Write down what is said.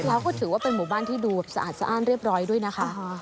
แล้วก็ถือว่าเป็นหมู่บ้านที่ดูสะอาดสะอ้านเรียบร้อยด้วยนะคะ